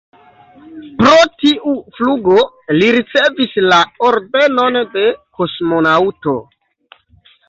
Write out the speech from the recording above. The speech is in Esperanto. Pro tiu flugo li ricevis la Ordenon de kosmonaŭto.